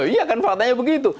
iya kan faktanya begitu